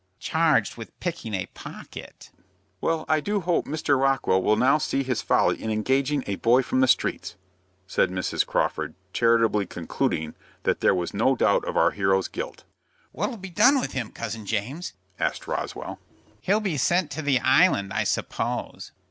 "Charged with picking a pocket." "Well, I do hope Mr. Rockwell will now see his folly in engaging a boy from the streets," said Mrs. Crawford, charitably concluding that there was no doubt of our hero's guilt. "What'll be done with him, Cousin James?" asked Roswell. "He'll be sent to the Island, I suppose."